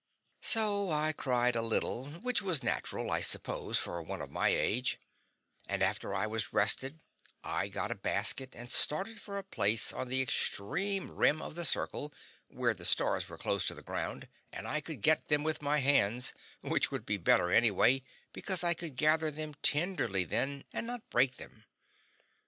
So I cried a little, which was natural, I suppose, for one of my age, and after I was rested I got a basket and started for a place on the extreme rim of the circle, where the stars were close to the ground and I could get them with my hands, which would be better, anyway, because I could gather them tenderly then, and not break them.